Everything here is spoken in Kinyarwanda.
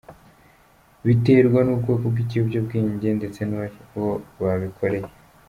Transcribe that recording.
Biterwa n’ubwoko bw’ikiyobyabwenge ndetse n’uwo babikoreye.